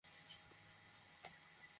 ইরাকি সেনাবাহিনী আক্রমণ করছে।